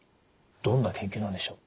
どんな研究なんでしょう？